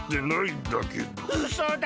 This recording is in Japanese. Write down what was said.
うそだ。